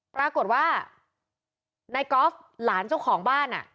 ปรากฏว่านายกอล์ฟหลานเจ้าของบ้าน